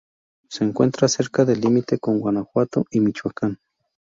Se encuentra cerca del límite con Guanajuato y Michoacán.